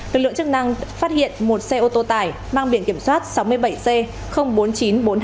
lực lượng chức năng phát hiện một xe ô tô tải mang biển kiểm soát sáu mươi bảy c bốn nghìn chín trăm bốn mươi hai